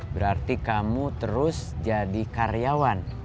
berarti kamu terus jadi karyawan